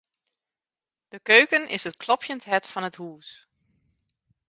De keuken is it klopjend hert fan it hús.